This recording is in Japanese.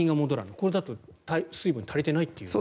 これだと水分が足りていないという？